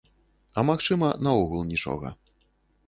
А магчыма, наогул нічога.